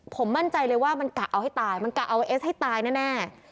ผมมั่นใจเลยว่ามันกะเอาให้ตายมันกะเอาไอเอสให้ตายแน่